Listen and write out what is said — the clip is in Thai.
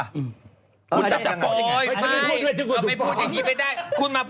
พี่เขาปู๊กอย่างงี้